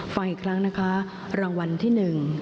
ฟังอีกครั้งนะคะรางวัลที่หนึ่ง